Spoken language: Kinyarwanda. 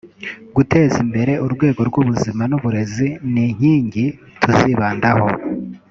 Guteza imbere urwego rw’ubuzima n’uburezi ni inkingi tuzibandaho